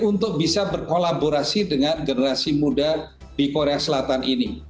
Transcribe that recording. untuk bisa berkolaborasi dengan generasi muda di korea selatan ini